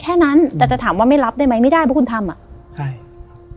แค่นั้นแต่จะถามว่าไม่รับได้ไหมไม่ได้เพราะคุณทำอ่ะใช่